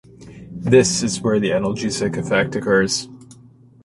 This is where the analgesic effect occurs.